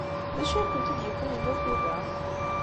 D acu ay kent-id-yewwin deg wakud-a?